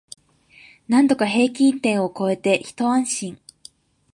なんとか平均点を超えてひと安心